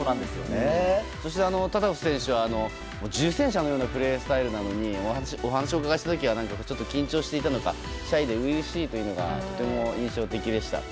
そして、タタフ選手は重戦車のようなプレースタイルなのにお話をお伺いしたときは緊張していたのかシャイで初々しかったのがとても印象的でした。